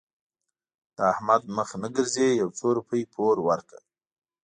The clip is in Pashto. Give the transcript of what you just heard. د احمد مخ نه ګرځي؛ يو څو روپۍ پور ورکړه.